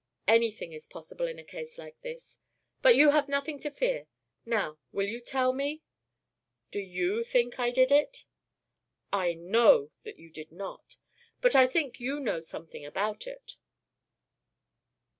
"Anything is possible in a case like this. But you have nothing to fear. Now, will you tell me " "Do you think I did it?" "I know that you did not. But I think you know something about it."